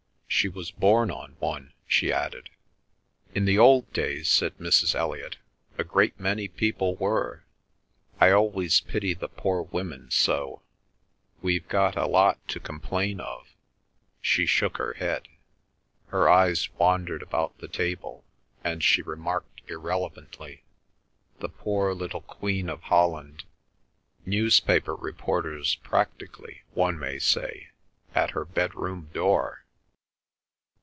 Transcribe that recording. "She was born on one," she added. "In the old days," said Mrs. Elliot, "a great many people were. I always pity the poor women so! We've got a lot to complain of!" She shook her head. Her eyes wandered about the table, and she remarked irrelevantly, "The poor little Queen of Holland! Newspaper reporters practically, one may say, at her bedroom door!"